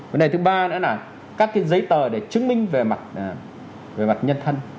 vấn đề thứ ba nữa là các giấy tờ để chứng minh về mặt nhân thân